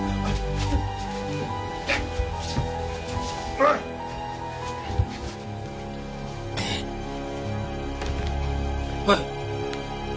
おいおい！